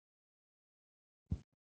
کاکړ د خپل حیا او غیرت نوم ساتي.